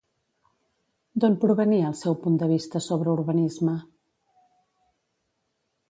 D'on provenia el seu punt de vista sobre urbanisme?